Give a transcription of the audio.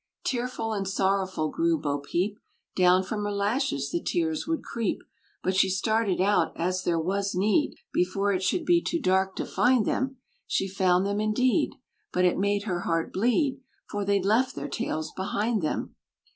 Tearful and sorrowful grew Bo Peep! Down from her lashes the tears would creep; But she started out, as there was need, Before it should be too dark to find them; She found them indeed, but it made her heart bleed, For they'd left their tails behind them!